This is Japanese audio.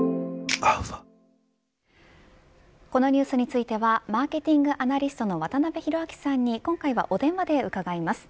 このニュースについてはマーケティングアナリストの渡辺広明さんに今回は、お電話で伺います。